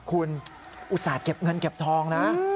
คุณอุตส่าห์เก็บเงินเก็บทองนะ